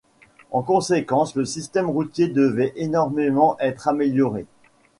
En conséquence le système routier devait énormément être amélioré.